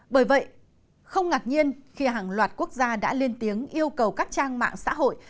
bởi vậy không ngạc nhiên khi hàng loạt quốc gia đã lên tiếng yêu cầu các trang mạng xã hội